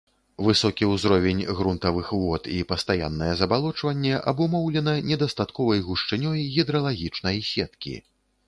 Высокі ўзровень грунтавых вод і пастаяннае забалочванне абумоўлена недастатковай гушчынёй гідралагічнай сеткі.